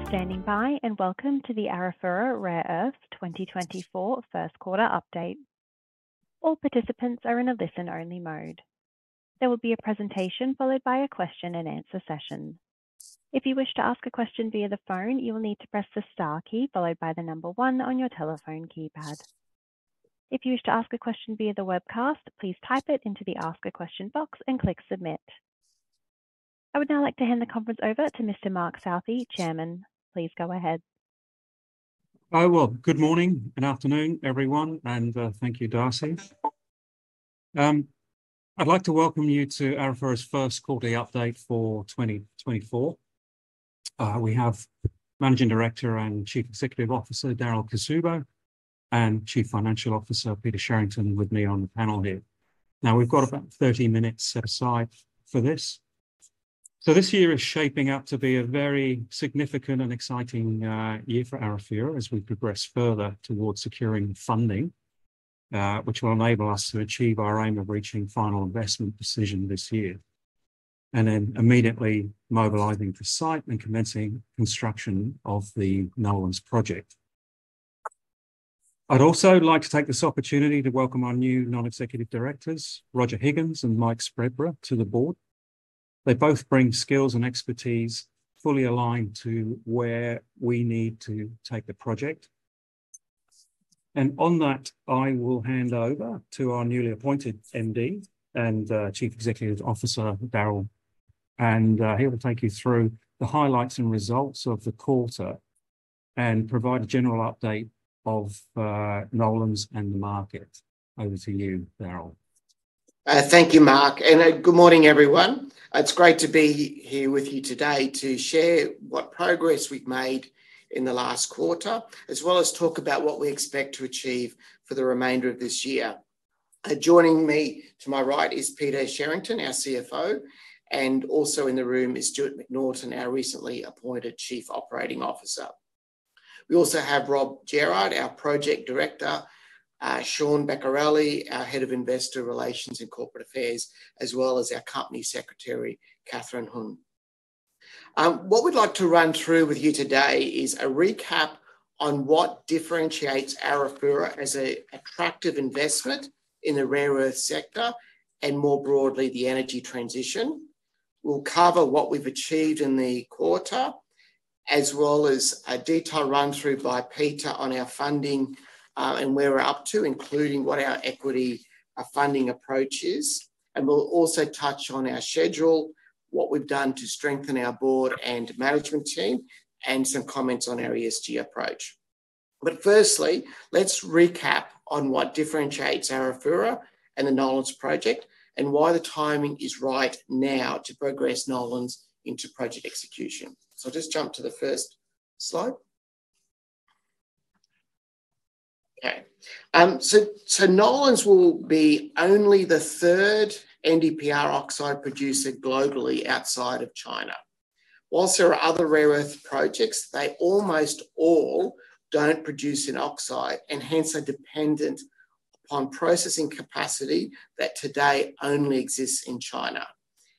Thank you for standing by and welcome to the Arafura Rare Earths 2024 First Quarter Update. All participants are in a listen-only mode. There will be a presentation followed by a question-and-answer session. If you wish to ask a question via the phone, you will need to press the star key followed by the number one on your telephone keypad. If you wish to ask a question via the webcast, please type it into the Ask a Question box and click Submit. I would now like to hand the conference over to Mr. Mark Southey, Chairman. Please go ahead. I will. Good morning and afternoon, everyone, and thank you, Darcy. I'd like to welcome you to Arafura's first quarterly update for 2024. We have Managing Director and Chief Executive Officer Darryl Cuzzubbo and Chief Financial Officer Peter Sherrington with me on the panel here. Now, we've got about 30 minutes set aside for this. This year is shaping up to be a very significant and exciting year for Arafura as we progress further towards securing funding, which will enable us to achieve our aim of reaching Final Investment Decision this year, and then immediately mobilising for site and commencing construction of the Nolans Project. I'd also like to take this opportunity to welcome our new non-executive directors, Roger Higgins and Mike Spreadborough, to the board. They both bring skills and expertise fully aligned to where we need to take the project. On that, I will hand over to our newly appointed MD and Chief Executive Officer Darryl, and he will take you through the highlights and results of the quarter and provide a general update of Nolans and the market. Over to you, Darryl. Thank you, Mark. Good morning, everyone. It's great to be here with you today to share what progress we've made in the last quarter, as well as talk about what we expect to achieve for the remainder of this year. Joining me to my right is Peter Sherrington, our CFO, and also in the room is Stuart Macnaughton, our recently appointed Chief Operating Officer. We also have Rob Gerrard, our Project Director, Shaan Beccarelli, our Head of Investor Relations and Corporate Affairs, as well as our Company Secretary, Catherine Huynh. What we'd like to run through with you today is a recap on what differentiates Arafura as an attractive investment in the rare earth sector and, more broadly, the energy transition. We'll cover what we've achieved in the quarter, as well as a detailed run-through by Peter on our funding and where we're up to, including what our equity funding approach is. We'll also touch on our schedule, what we've done to strengthen our board and management team, and some comments on our ESG approach. Firstly, let's recap on what differentiates Arafura and the Nolans Project and why the timing is right now to progress Nolans into project execution. I'll just jump to the first slide. OK. Nolans will be only the third NdPr oxide producer globally outside of China. While there are other rare earth projects, they almost all don't produce an oxide and hence are dependent upon processing capacity that today only exists in China.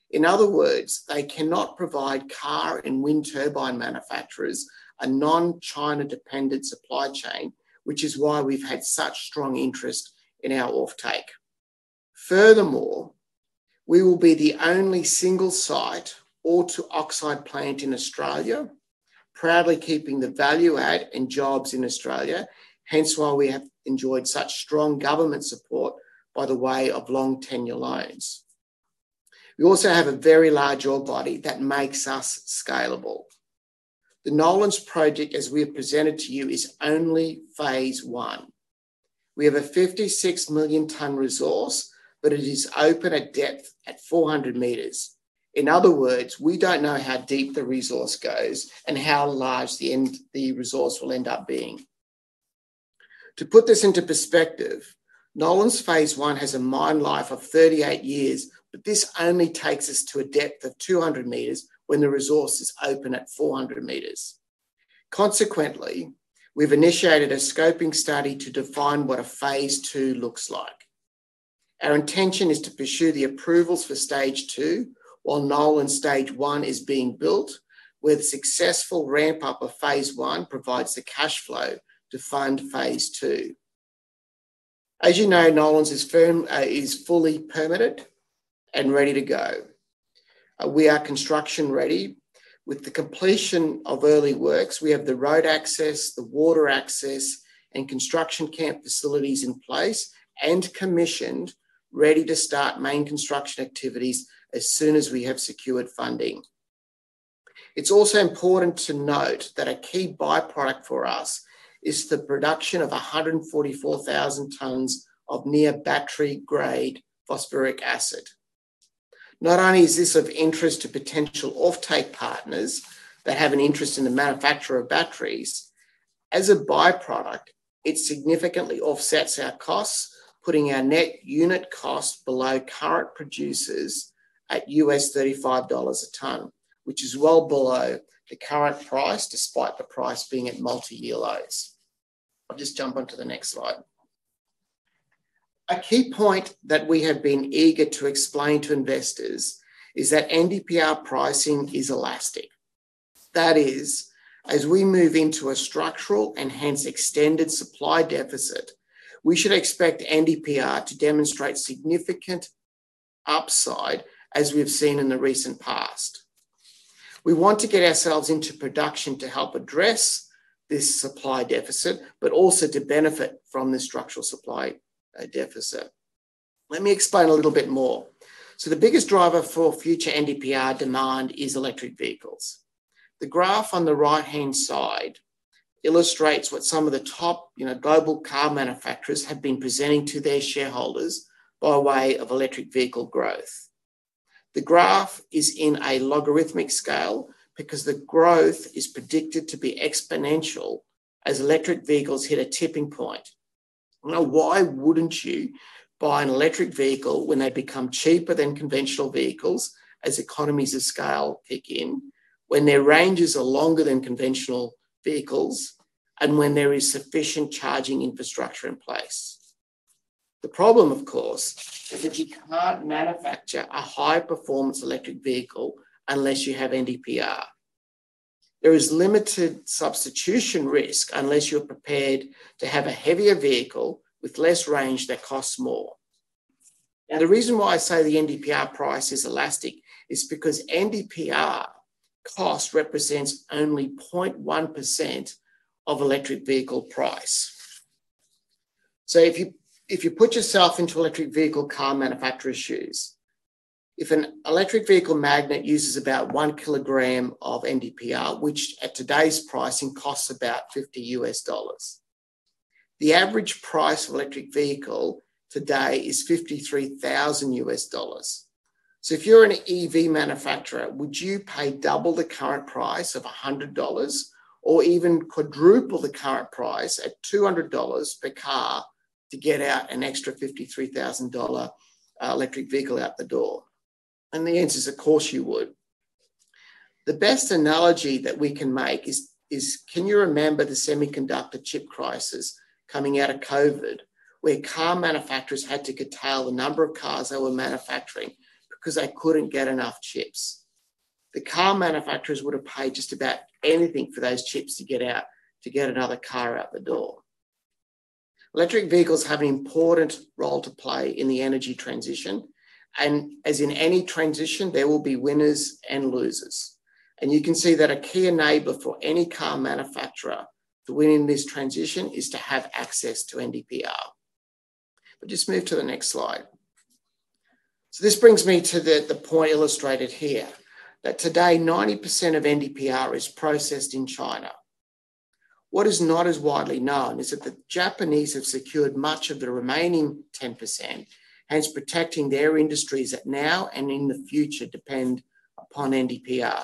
In other words, they cannot provide car and wind turbine manufacturers a non-China-dependent supply chain, which is why we've had such strong interest in our offtake. Furthermore, we will be the only single-site ore-to-oxide plant in Australia, proudly keeping the value add and jobs in Australia, hence why we have enjoyed such strong government support by way of long-tenure loans. We also have a very large ore body that makes us scalable. The Nolans Project, as we have presented to you, is only Phase 1. We have a 56 million tonne resource, but it is open at depth at 400 meters. In other words, we don't know how deep the resource goes and how large the resource will end up being. To put this into perspective, Nolans Phase 1 has a mine life of 38 years, but this only takes us to a depth of 200 meters when the resource is open at 400 meters. Consequently, we've initiated a scoping study to define what a Phase 2 looks like. Our intention is to pursue the approvals for Stage 2 while Nolans Stage 1 is being built, where the successful ramp-up of Phase 1 provides the cash flow to fund Phase 2. As you know, Nolans is fully permitted and ready to go. We are construction-ready. With the completion of early works, we have the road access, the water access, and construction camp facilities in place and commissioned, ready to start main construction activities as soon as we have secured funding. It's also important to note that a key byproduct for us is the production of 144,000 tonnes of near-battery-grade phosphoric acid. Not only is this of interest to potential offtake partners that have an interest in the manufacture of batteries, as a byproduct, it significantly offsets our costs, putting our net unit cost below current producers at $35 a tonne, which is well below the current price despite the price being at multi-year lows. I'll just jump onto the next slide. A key point that we have been eager to explain to investors is that NdPr pricing is elastic. That is, as we move into a structural and hence extended supply deficit, we should expect NdPr to demonstrate significant upside as we've seen in the recent past. We want to get ourselves into production to help address this supply deficit, but also to benefit from the structural supply deficit. Let me explain a little bit more. So the biggest driver for future NdPr demand is electric vehicles. The graph on the right-hand side illustrates what some of the top global car manufacturers have been presenting to their shareholders by way of electric vehicle growth. The graph is in a logarithmic scale because the growth is predicted to be exponential as electric vehicles hit a tipping point. Now, why wouldn't you buy an electric vehicle when they become cheaper than conventional vehicles as economies of scale kick in, when their ranges are longer than conventional vehicles, and when there is sufficient charging infrastructure in place? The problem, of course, is that you can't manufacture a high-performance electric vehicle unless you have NdPr. There is limited substitution risk unless you're prepared to have a heavier vehicle with less range that costs more. Now, the reason why I say the NdPr price is elastic is because NdPr cost represents only 0.1% of electric vehicle price. So if you put yourself into electric vehicle car manufacturer's shoes, if an electric vehicle magnet uses about one kilogram of NdPr, which at today's pricing costs about $50, the average price of an electric vehicle today is $53,000. So if you're an EV manufacturer, would you pay double the current price of $100 or even quadruple the current price at $200 per car to get out an extra $53,000 electric vehicle out the door? And the answer is, of course, you would. The best analogy that we can make is: can you remember the semiconductor chip crisis coming out of COVID, where car manufacturers had to curtail the number of cars they were manufacturing because they couldn't get enough chips? The car manufacturers would have paid just about anything for those chips to get out to get another car out the door. Electric vehicles have an important role to play in the energy transition. As in any transition, there will be winners and losers. You can see that a key enabler for any car manufacturer to win in this transition is to have access to NdPr. But just move to the next slide. This brings me to the point illustrated here, that today 90% of NdPr is processed in China. What is not as widely known is that the Japanese have secured much of the remaining 10%, hence protecting their industries that now and in the future depend upon NdPr.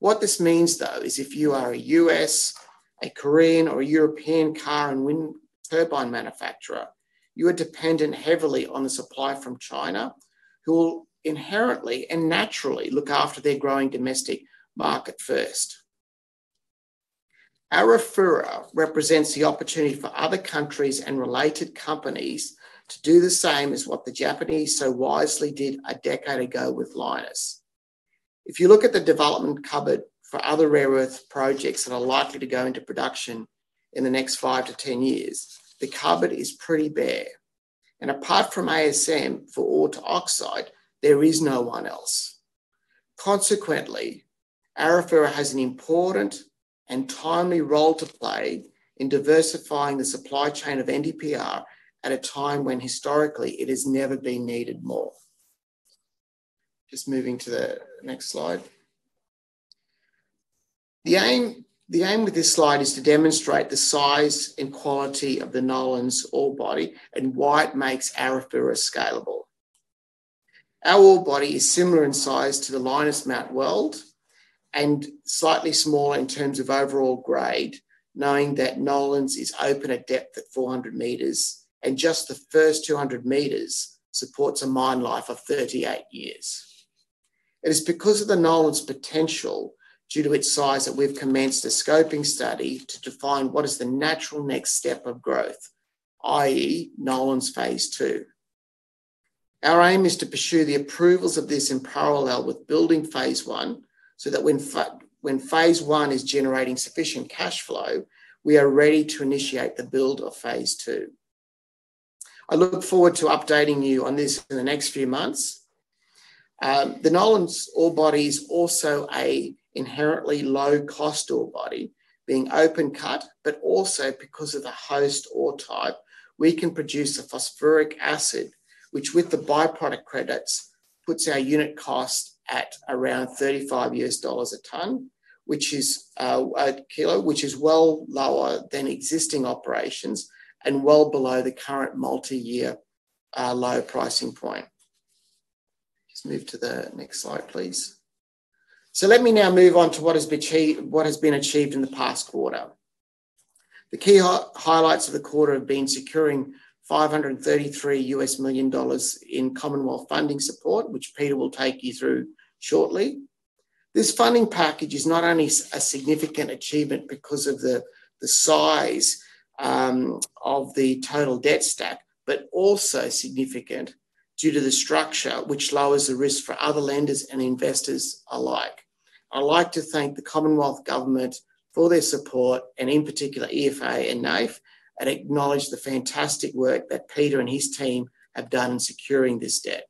What this means, though, is if you are a U.S., a Korean, or a European car and wind turbine manufacturer, you are dependent heavily on the supply from China, who will inherently and naturally look after their growing domestic market first. Arafura represents the opportunity for other countries and related companies to do the same as what the Japanese so wisely did a decade ago with Lynas. If you look at the development cupboard for other rare earth projects that are likely to go into production in the next 5-10 years, the cupboard is pretty bare. Apart from ASM for ore to oxide, there is no one else. Consequently, Arafura has an important and timely role to play in diversifying the supply chain of NdPr at a time when historically it has never been needed more. Just moving to the next slide. The aim with this slide is to demonstrate the size and quality of the Nolans ore body and why it makes Arafura scalable. Our ore body is similar in size to the Lynas Mount Weld and slightly smaller in terms of overall grade, knowing that Nolans is open at depth at 400 meters, and just the first 200 meters supports a mine life of 38 years. It is because of the Nolans potential due to its size that we've commenced a scoping study to define what is the natural next step of growth, i.e., Nolans Phase 2. Our aim is to pursue the approvals of this in parallel with building Phase 1 so that when Phase 1 is generating sufficient cash flow, we are ready to initiate the build of Phase 2. I look forward to updating you on this in the next few months. The Nolans' ore body is also an inherently low-cost ore body. Being open-cut but also because of the host ore type, we can produce a phosphoric acid, which with the byproduct credits puts our unit cost at around $35 a tonne, which is a kilo, which is well lower than existing operations and well below the current multi-year low pricing point. Just move to the next slide, please. So let me now move on to what has been achieved in the past quarter. The key highlights of the quarter have been securing 533 million dollars in Commonwealth funding support, which Peter will take you through shortly. This funding package is not only a significant achievement because of the size of the total debt stack but also significant due to the structure, which lowers the risk for other lenders and investors alike. I would like to thank the Commonwealth Government for their support and, in particular, EFA and NAIF, and acknowledge the fantastic work that Peter and his team have done in securing this debt.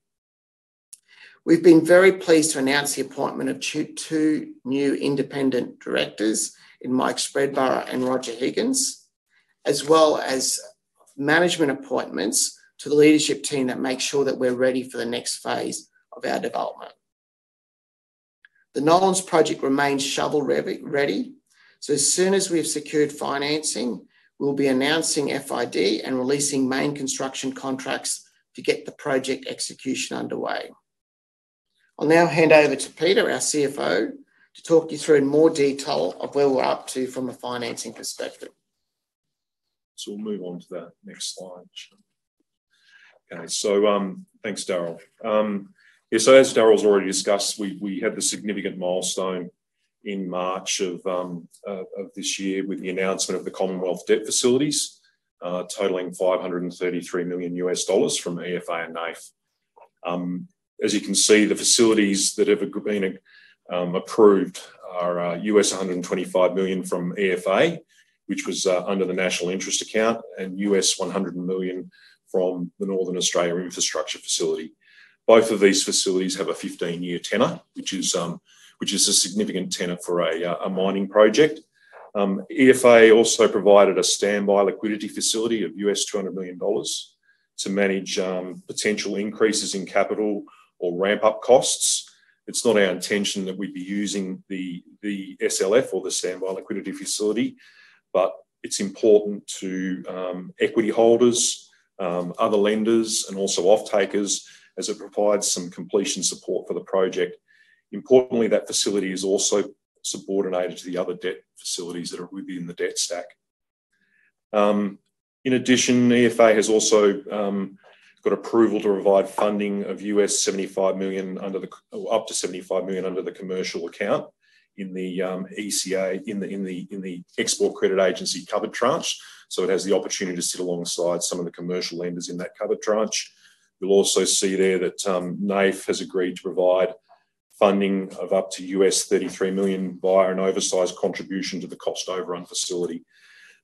We've been very pleased to announce the appointment of two new independent directors, Mike Spreadborough and Roger Higgins, as well as management appointments to the leadership team that make sure that we're ready for the next phase of our development. The Nolans Project remains shovel-ready. So as soon as we have secured financing, we'll be announcing FID and releasing main construction contracts to get the project execution underway. I'll now hand over to Peter, our CFO, to talk you through in more detail of where we're up to from a financing perspective. So we'll move on to the next slide, Shaan. OK. So thanks, Darryl. Yeah. So as Darryl has already discussed, we had the significant milestone in March of this year with the announcement of the Commonwealth debt facilities, totalling $533 million from EFA and NAIF. As you can see, the facilities that have been approved are $125 million from EFA, which was under the National Interest Account, and $100 million from the Northern Australia Infrastructure Facility. Both of these facilities have a 15-year tenor, which is a significant tenor for a mining project. EFA also provided a Standby Liquidity Facility of $200 million to manage potential increases in capital or ramp-up costs. It's not our intention that we'd be using the SLF or the Standby Liquidity Facility, but it's important to equity holders, other lenders, and also offtakers as it provides some completion support for the project. Importantly, that facility is also subordinated to the other debt facilities that are within the debt stack. In addition, EFA has also got approval to provide funding of $75 million under the up to $75 million under the Commercial Account in the ECA in the Export Credit Agency covered tranche. So it has the opportunity to sit alongside some of the commercial lenders in that covered tranche. You'll also see there that NAIF has agreed to provide funding of up to $33 million via an oversized contribution to the cost overrun facility.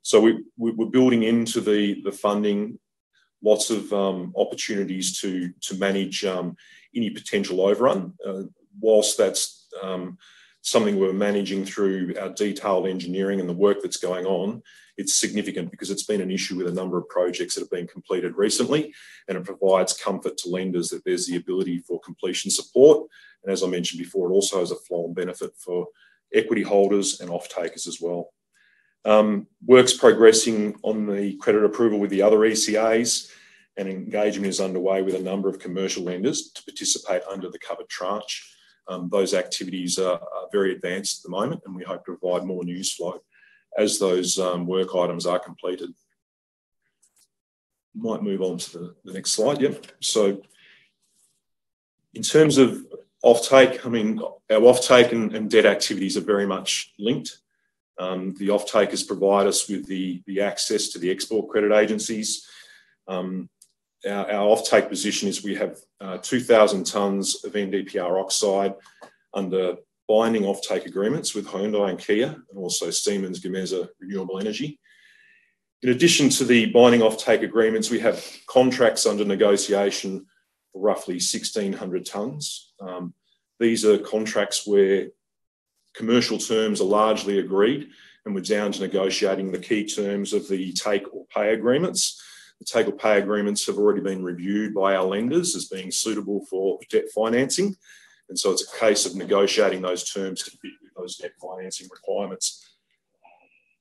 So we're building into the funding lots of opportunities to manage any potential overrun. While that's something we're managing through our detailed engineering and the work that's going on, it's significant because it's been an issue with a number of projects that have been completed recently. And it provides comfort to lenders that there's the ability for completion support. As I mentioned before, it also has a flow-on benefit for equity holders and offtakers as well. Work's progressing on the credit approval with the other ECAs. Engagement is underway with a number of commercial lenders to participate under the club debt tranche. Those activities are very advanced at the moment, and we hope to provide more news flow as those work items are completed. Might move on to the next slide. Yeah. So in terms of offtake--I mean, our offtake and debt activities are very much linked. The offtakers provide us with the access to the Export Credit Agencies. Our offtake position is we have 2,000 tonnes of NdPr oxide under binding offtake agreements with Hyundai and Kia and also Siemens Gamesa Renewable Energy. In addition to the binding offtake agreements, we have contracts under negotiation for roughly 1,600 tonnes. These are contracts where commercial terms are largely agreed, and we're down to negotiating the key terms of the take-or-pay agreements. The take-or-pay agreements have already been reviewed by our lenders as being suitable for debt financing. So it's a case of negotiating those terms to meet those debt financing requirements.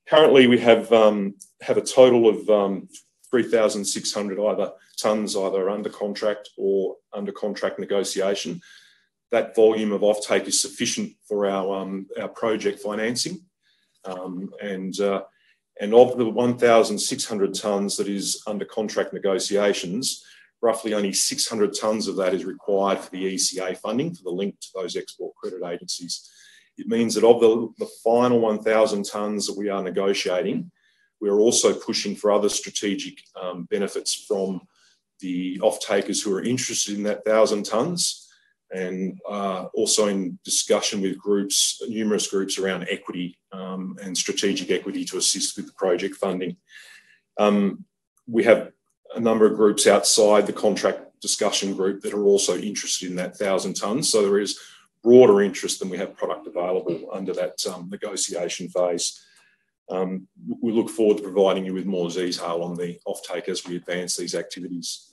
Currently, we have a total of 3,600 tonnes either under contract or under contract negotiation. That volume of offtake is sufficient for our project financing. Of the 1,600 tonnes that is under contract negotiations, roughly only 600 tonnes of that is required for the ECA funding for the link to those Export Credit Agencies. It means that of the final 1,000 tonnes that we are negotiating, we are also pushing for other strategic benefits from the offtakers who are interested in that 1,000 tonnes and also in discussion with numerous groups around equity and strategic equity to assist with the project funding. We have a number of groups outside the contract discussion group that are also interested in that 1,000 tonnes. So there is broader interest than we have product available under that negotiation phase. We look forward to providing you with more detail on the offtake as we advance these activities.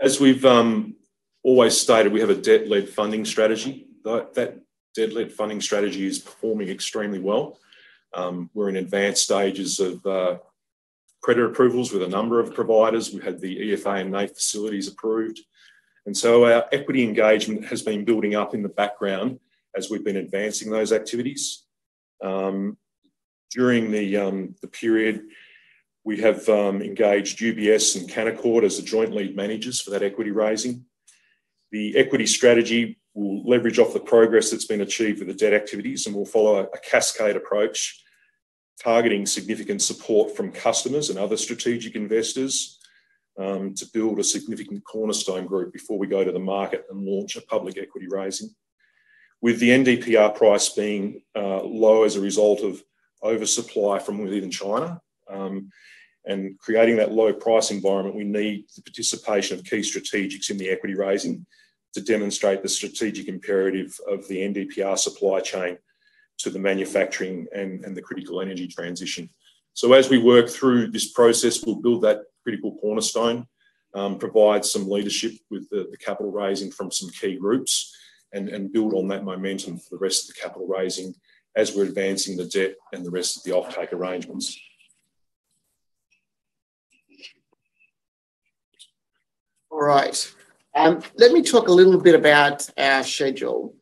As we've always stated, we have a debt-led funding strategy. That debt-led funding strategy is performing extremely well. We're in advanced stages of credit approvals with a number of providers. We've had the EFA and NAIF facilities approved. Our equity engagement has been building up in the background as we've been advancing those activities. During the period, we have engaged UBS and Canaccord as the joint lead managers for that equity raising. The equity strategy will leverage off the progress that's been achieved with the debt activities and will follow a cascade approach targeting significant support from customers and other strategic investors to build a significant cornerstone group before we go to the market and launch a public equity raising. With the NdPr price being low as a result of oversupply from within China and creating that low-price environment, we need the participation of key strategics in the equity raising to demonstrate the strategic imperative of the NdPr supply chain to the manufacturing and the critical energy transition. So as we work through this process, we'll build that critical cornerstone, provide some leadership with the capital raising from some key groups, and build on that momentum for the rest of the capital raising as we're advancing the debt and the rest of the offtake arrangements. All right. Let me talk a little bit about our schedule.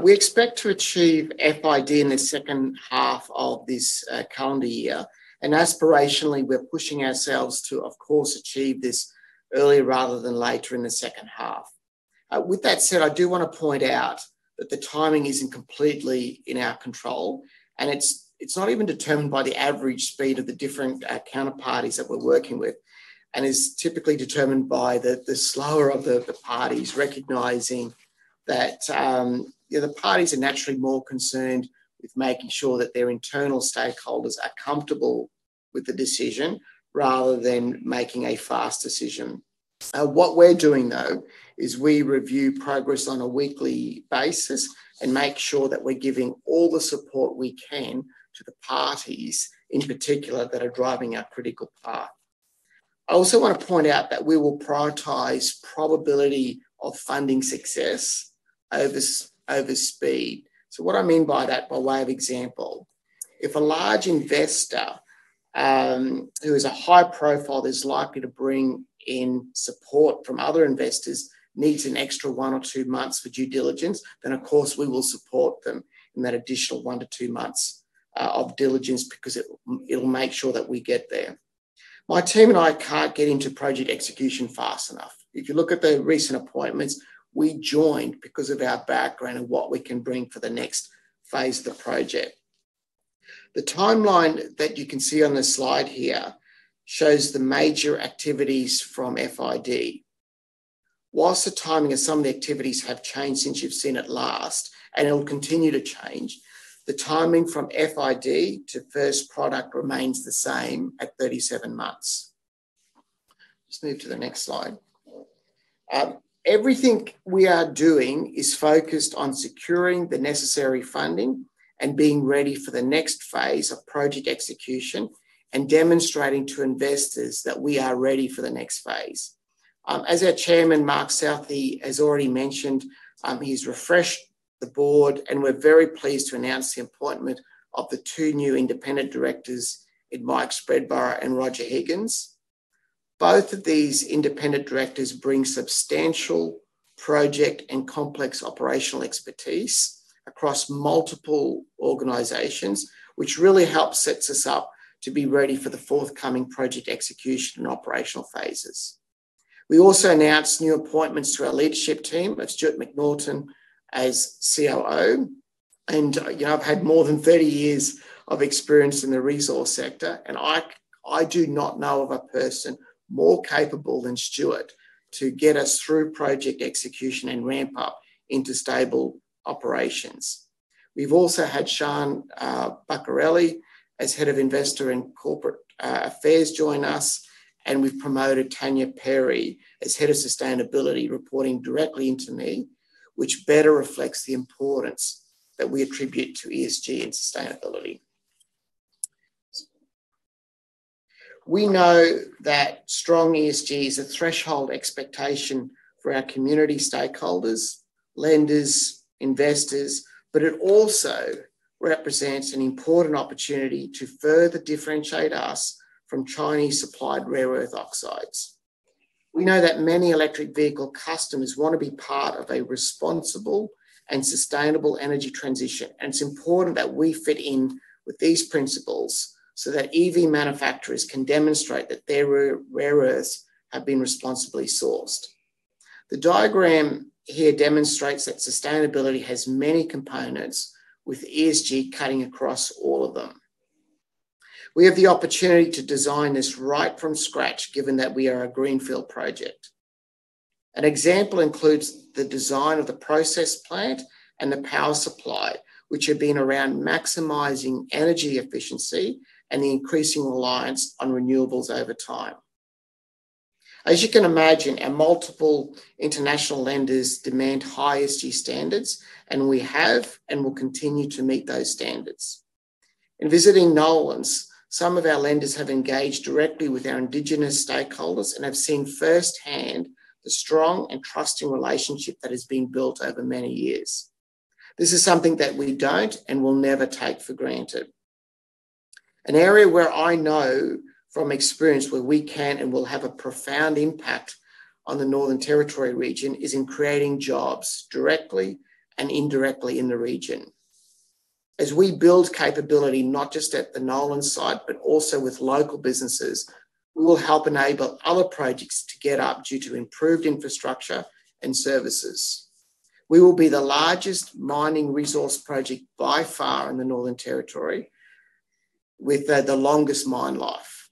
We expect to achieve FID in the second half of this calendar year. And aspirationally, we're pushing ourselves to, of course, achieve this earlier rather than later in the second half. With that said, I do want to point out that the timing isn't completely in our control. It's not even determined by the average speed of the different counterparties that we're working with and is typically determined by the slower of the parties recognizing that the parties are naturally more concerned with making sure that their internal stakeholders are comfortable with the decision rather than making a fast decision. What we're doing, though, is we review progress on a weekly basis and make sure that we're giving all the support we can to the parties in particular that are driving our critical path. I also want to point out that we will prioritize probability of funding success over speed. So what I mean by that, by way of example, if a large investor who is a high-profile is likely to bring in support from other investors, needs an extra one or two months for due diligence, then, of course, we will support them in that additional one-two months of diligence because it'll make sure that we get there. My team and I can't get into project execution fast enough. If you look at the recent appointments, we joined because of our background and what we can bring for the next phase of the project. The timeline that you can see on this slide here shows the major activities from FID. Whilst the timing of some of the activities have changed since you've seen it last and it'll continue to change, the timing from FID to first product remains the same at 37 months. Just move to the next slide. Everything we are doing is focused on securing the necessary funding and being ready for the next phase of project execution and demonstrating to investors that we are ready for the next phase. As our Chairman, Mark Southey, has already mentioned, he has refreshed the board. We're very pleased to announce the appointment of the two new independent directors, Mike Spreadborough and Roger Higgins. Both of these independent directors bring substantial project and complex operational expertise across multiple organizations, which really helps set us up to be ready for the forthcoming project execution and operational phases. We also announced new appointments to our leadership team of Stuart Macnaughton as COO. I've had more than 30 years of experience in the resource sector. I do not know of a person more capable than Stuart to get us through project execution and ramp-up into stable operations. We've also had Shaan Beccarelli as Head of Investor and Corporate Affairs join us. We've promoted Tanya Perry as Head of Sustainability, reporting directly into me, which better reflects the importance that we attribute to ESG and sustainability. We know that strong ESG is a threshold expectation for our community stakeholders, lenders, investors. But it also represents an important opportunity to further differentiate us from Chinese-supplied rare-earth oxides. We know that many electric vehicle customers want to be part of a responsible and sustainable energy transition. It's important that we fit in with these principles so that EV manufacturers can demonstrate that their rare-earths have been responsibly sourced. The diagram here demonstrates that sustainability has many components with ESG cutting across all of them. We have the opportunity to design this right from scratch given that we are a greenfield project. An example includes the design of the process plant and the power supply, which have been around maximizing energy efficiency and the increasing reliance on renewables over time. As you can imagine, our multiple international lenders demand high ESG standards. We have and will continue to meet those standards. In visiting Nolans, some of our lenders have engaged directly with our Indigenous stakeholders and have seen firsthand the strong and trusting relationship that has been built over many years. This is something that we don't and will never take for granted. An area where I know from experience where we can and will have a profound impact on the Northern Territory region is in creating jobs directly and indirectly in the region. As we build capability not just at the Nolans site but also with local businesses, we will help enable other projects to get up due to improved infrastructure and services. We will be the largest mining resource project by far in the Northern Territory with the longest mine life.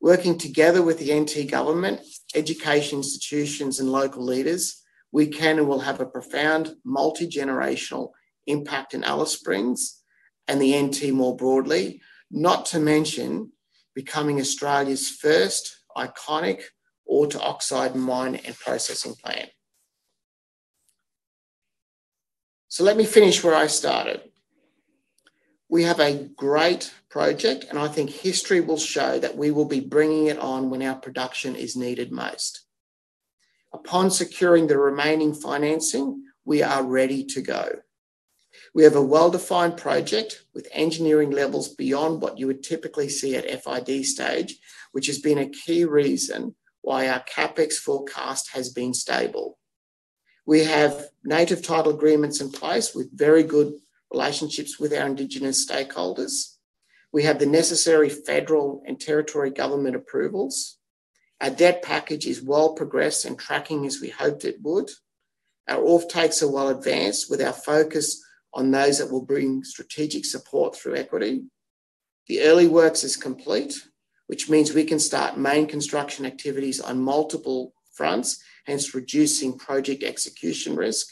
Working together with the NT Government, education institutions, and local leaders, we can and will have a profound multi-generational impact in Alice Springs and the NT more broadly, not to mention becoming Australia's first iconic ore-to-oxide mine and processing plant. So let me finish where I started. We have a great project. And I think history will show that we will be bringing it on when our production is needed most. Upon securing the remaining financing, we are ready to go. We have a well-defined project with engineering levels beyond what you would typically see at FID stage, which has been a key reason why our CAPEX forecast has been stable. We have Native Title agreements in place with very good relationships with our Indigenous stakeholders. We have the necessary federal and territory government approvals. Our debt package is well-progressed and tracking as we hoped it would. Our offtakes are well-advanced with our focus on those that will bring strategic support through equity. The early works is complete, which means we can start main construction activities on multiple fronts, hence reducing project execution risk.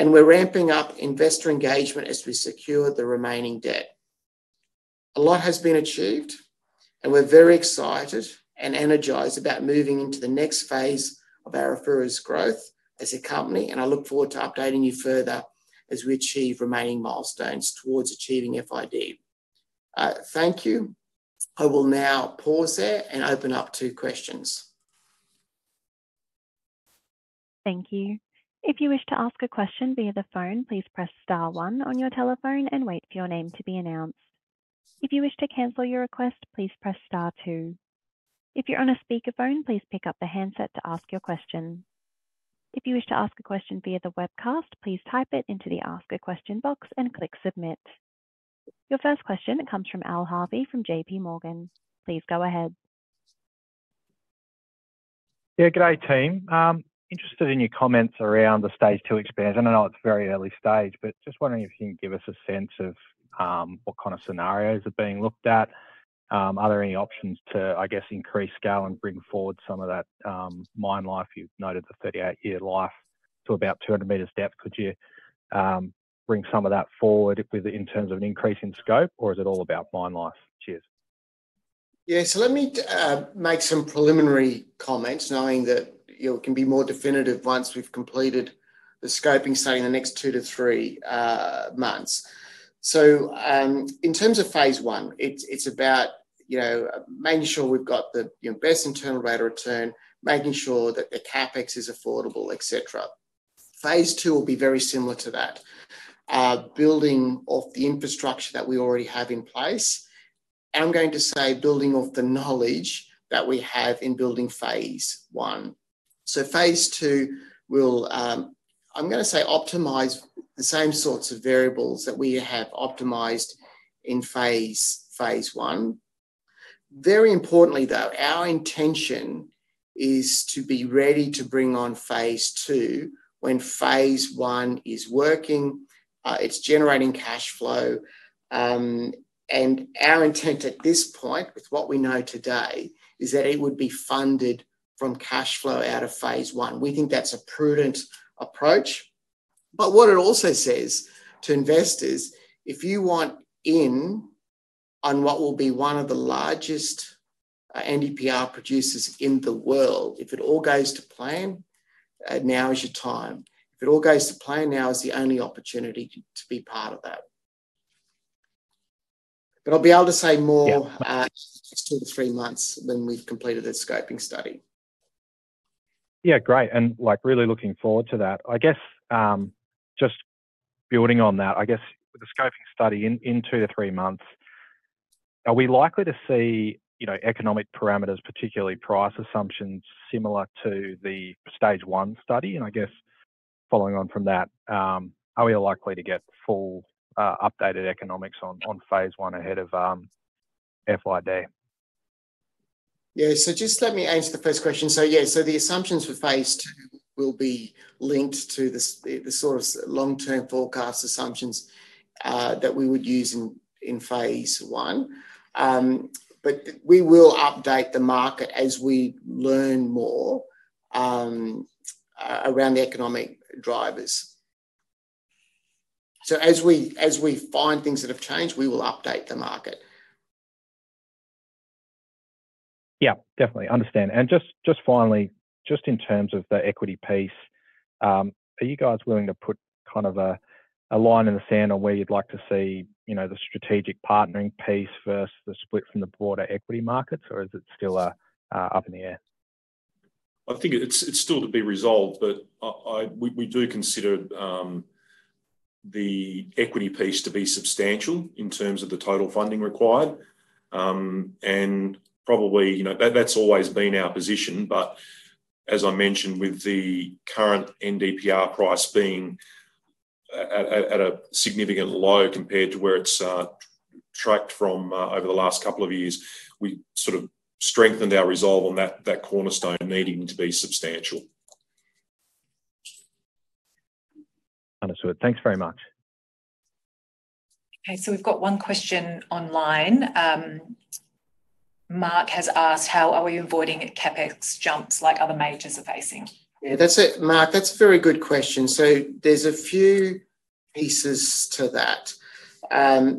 We're ramping up investor engagement as we secure the remaining debt. A lot has been achieved. We're very excited and energized about moving into the next phase of our rare earths growth as a company. I look forward to updating you further as we achieve remaining milestones towards achieving FID. Thank you. I will now pause there and open up to questions. Thank you. If you wish to ask a question via the phone, please press star one on your telephone and wait for your name to be announced. If you wish to cancel your request, please press star two. If you're on a speakerphone, please pick up the handset to ask your question. If you wish to ask a question via the webcast, please type it into the Ask A Question box and click Submit. Your first question comes from Al Harvey from JPMorgan. Please go ahead. Yeah. Good day, team. Interested in your comments around the stage 2 expansion. I don't know; it's very early stage. But just wondering if you can give us a sense of what kind of scenarios are being looked at. Are there any options to, I guess, increase scale and bring forward some of that mine life? You've noted the 38-year life to about 200 meters depth. Could you bring some of that forward in terms of an increase in scope? Or is it all about mine life? Cheers. Yeah. So let me make some preliminary comments knowing that it can be more definitive once we've completed the scoping study in the next two-three months. So in terms of phase one, it's about making sure we've got the best internal rate of return, making sure that the CapEx is affordable, etc. Phase 2 will be very similar to that, building off the infrastructure that we already have in place. And I'm going to say building off the knowledge that we have in building phase 1. So phase 2 will, I'm going to say, optimize the same sorts of variables that we have optimized in phase 1. Very importantly, though, our intention is to be ready to bring on phase 2 when phase 1 is working, it's generating cash flow. Our intent at this point, with what we know today, is that it would be funded from cash flow out of Phase 1. We think that's a prudent approach. But what it also says to investors, if you want in on what will be one of the largest NdPr producers in the world, if it all goes to plan, now is your time. If it all goes to plan, now is the only opportunity to be part of that. But I'll be able to say more in two to three months when we've completed the scoping study. Yeah. Great. And really looking forward to that. I guess just building on that, I guess with the scoping study in 2-3 months, are we likely to see economic parameters, particularly price assumptions, similar to the stage 1 study? And I guess following on from that, are we likely to get full updated economics on phase 1 ahead of FID? Yeah. So just let me answer the first question. So yeah. So the assumptions for phase 2 will be linked to the sort of long-term forecast assumptions that we would use in phase 1. But we will update the market as we learn more around the economic drivers. So as we find things that have changed, we will update the market. Yeah. Definitely. Understand. And just finally, just in terms of the equity piece, are you guys willing to put kind of a line in the sand on where you'd like to see the strategic partnering piece versus the split from the broader equity markets? Or is it still up in the air? I think it's still to be resolved. We do consider the equity piece to be substantial in terms of the total funding required. Probably that's always been our position. As I mentioned, with the current NdPr price being at a significant low compared to where it's tracked from over the last couple of years, we sort of strengthened our resolve on that cornerstone needing to be substantial. Understood. Thanks very much. Okay. So we've got one question online. Mark has asked, "How are we avoiding CapEx jumps like other majors are facing? Yeah. Mark, that's a very good question. So there's a few pieces to that.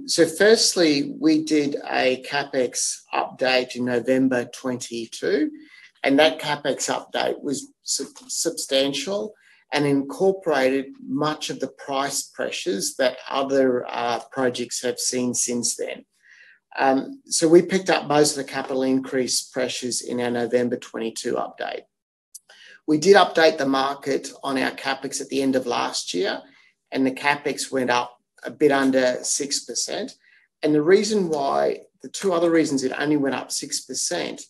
So firstly, we did a CapEx update in November 2022. And that CapEx update was substantial and incorporated much of the price pressures that other projects have seen since then. So we picked up most of the capital increase pressures in our November 2022 update. We did update the market on our CapEx at the end of last year. And the CapEx went up a bit under 6%. And the two other reasons it only went up 6%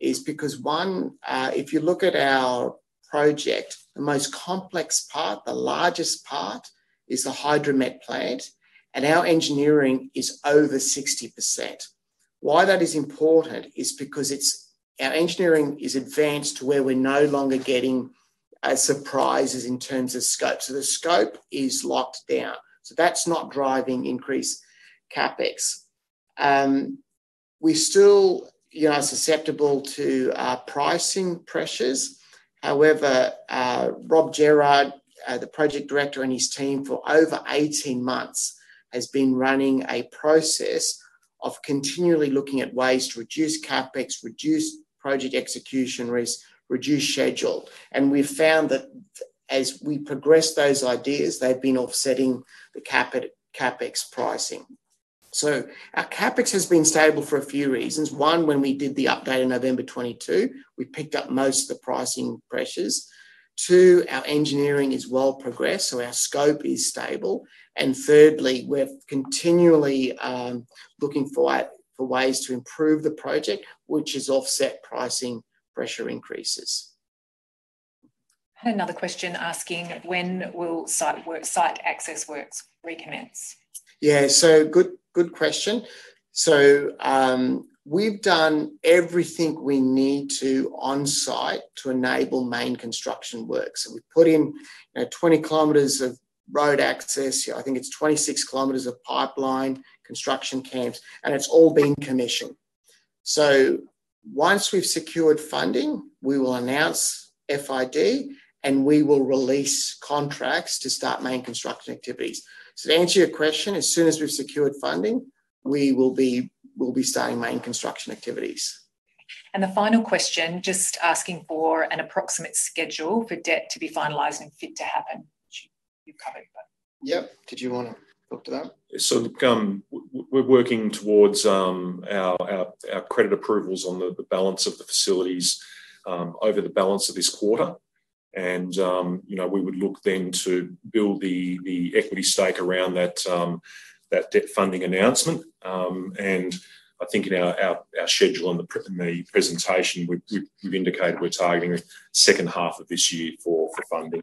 is because, one, if you look at our project, the most complex part, the largest part, is the Hydromet plant. And our engineering is over 60%. Why that is important is because our engineering is advanced to where we're no longer getting surprises in terms of scope. So the scope is locked down. So that's not driving increased CapEx. We're still susceptible to pricing pressures. However, Rob Gerrard, the project director, and his team, for over 18 months has been running a process of continually looking at ways to reduce CapEx, reduce project execution risk, reduce schedule. And we've found that as we progressed those ideas, they've been offsetting the CapEx pricing. So our CapEx has been stable for a few reasons. One, when we did the update in November 2022, we picked up most of the pricing pressures. Two, our engineering is well-progressed. So our scope is stable. And thirdly, we're continually looking for ways to improve the project, which has offset pricing pressure increases. Another question asking, "When will site access works recommence? Yeah. So, good question. So we've done everything we need to on site to enable main construction works. So we've put in 20 kilometers of road access. I think it's 26 kilometers of pipeline, construction camps. And it's all been commissioned. So once we've secured funding, we will announce FID. And we will release contracts to start main construction activities. So to answer your question, as soon as we've secured funding, we will be starting main construction activities. The final question, just asking for an approximate schedule for debt to be finalized and FID to happen, which you've covered. Yeah. Did you want to talk to that? We're working towards our credit approvals on the balance of the facilities over the balance of this quarter. We would look then to build the equity stake around that debt funding announcement. I think in our schedule and the presentation, we've indicated we're targeting the second half of this year for funding.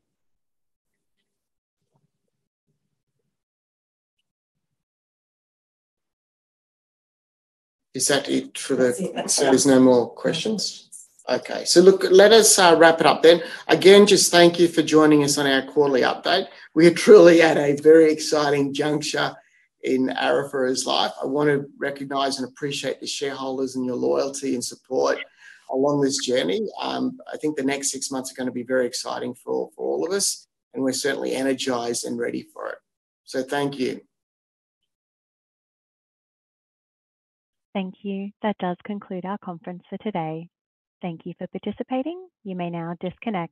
Is that it? Is there no more questions? Okay. So look, let us wrap it up then. Again, just thank you for joining us on our quarterly update. We are truly at a very exciting juncture in Arafura's life. I want to recognize and appreciate the shareholders and your loyalty and support along this journey. I think the next six months are going to be very exciting for all of us. And we're certainly energized and ready for it. So thank you. Thank you. That does conclude our conference for today. Thank you for participating. You may now disconnect.